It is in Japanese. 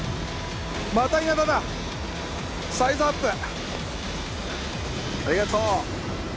またイナダだサイズアップありがとう！